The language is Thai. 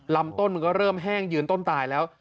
ลำต้นมันก็เริ่มแห้งยืนต้นตายแล้ว